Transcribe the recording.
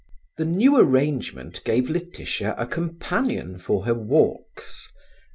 The new arrangement gave Laetitia a companion for her walks.